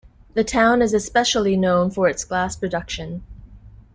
The town is especially known for its glass production.